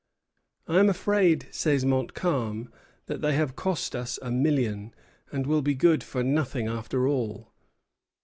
"I am afraid," says Montcalm, "that they have cost us a million, and will be good for nothing after all."